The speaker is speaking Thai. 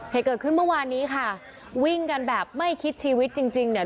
เหตุเกิดขึ้นเมื่อวานนี้ค่ะวิ่งกันแบบไม่คิดชีวิตจริงจริงเนี่ย